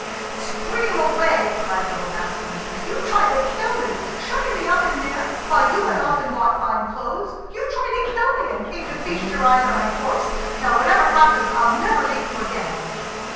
"Scream away!" cried little Master Misery. "You tried to kill me, shutting me up in there, while you went off and bought fine clothes. You tried to kill me, and came to feast your eyes on my corpse. Now, whatever happens, I'll never leave you again."